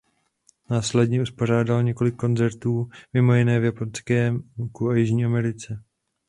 Následně uspořádal několik koncertů mimo jiné v Japonsku a Jižní Americe.